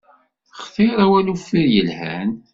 Xtir awal uffir yelhan!